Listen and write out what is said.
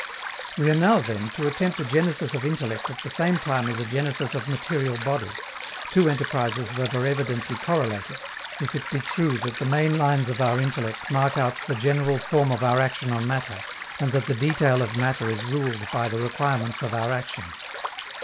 We are now, then, to attempt a genesis of intellect at the same time as a genesis of material bodies two enterprises that are evidently correlative, if it be true that the main lines of our intellect mark out the general form of our action on matter, and that the detail of matter is ruled by the requirements of our action.